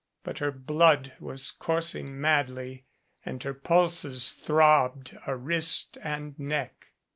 But her blood was coursing madly and her pulses throbbed at wrist and neck.